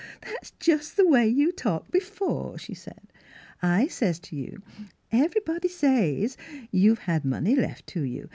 " That's just the way you talked be fore," she said. *' I sez t' you, ' Every body says you've had money left to you.